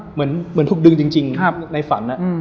เหมือนถูกดึงจริงในฝัน